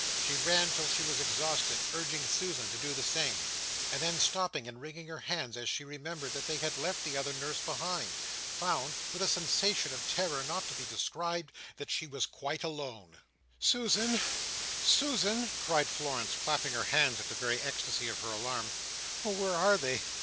She ran till she was exhausted, urging Susan to do the same; and then, stopping and wringing her hands as she remembered they had left the other nurse behind, found, with a sensation of terror not to be described, that she was quite alone. "Susan! Susan!" cried Florence, clapping her hands in the very ecstasy of her alarm. "Oh, where are they?